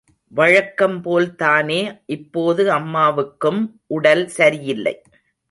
வழக்கம்போல்தானே இப்போது அம்மாவுக்கும் உடல் சரியில்லை.